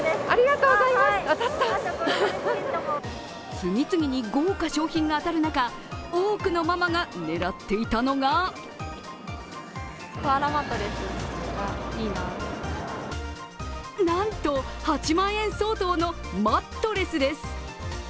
次々に豪華賞品が当たる中多くのママが狙っていたのがなんと８万円相当のマットレスです。